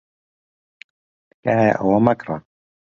تکایە ئەوە مەکڕە.